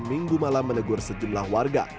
minggu malam menegur sejumlah warga